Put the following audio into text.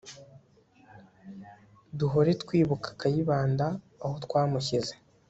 duhore twibuka kayibanda aho twamushyize